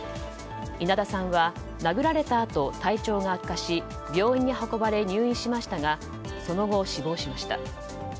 稲田さんは殴られたあと体調が悪化し病院に運ばれ入院しましたがその後、死亡しました。